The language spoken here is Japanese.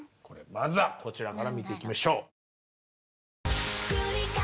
まずはこちらから見ていきましょう。